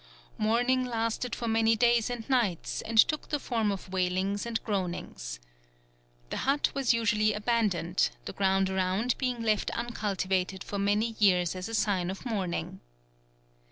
Mourning lasted for many days and nights and took the form of wailings and groanings. The hut was usually abandoned, the ground around being left uncultivated for many years as a sign of mourning.